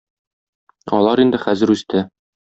Алар инде хәзер үсте.